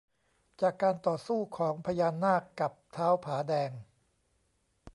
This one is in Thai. จากการต่อสู้ของพญานาคกับท้าวผาแดง